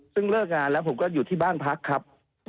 ซึ่งเลิกงานแล้วผมก็อยู่ที่บ้านพักครับ